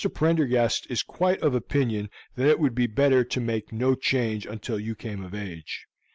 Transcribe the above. Prendergast is quite of opinion that it would be better to make no change until you come of age.